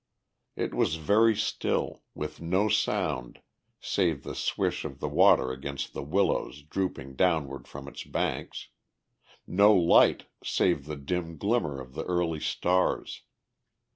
It was very still, with no sound save the swish of the water against the willows drooping downward from its banks, no light save the dim glimmer of the early stars.